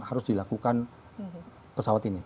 harus dilakukan pesawat ini